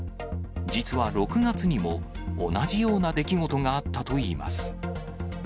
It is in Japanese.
実は６月にも、同じような出来事があったといいます。